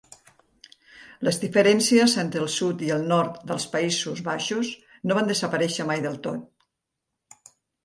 Les diferències entre el sud i el nord dels Països Baixos no van desaparèixer mai del tot.